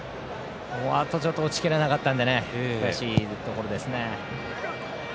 あとちょっと落ちきれなかったので悔しいところですね。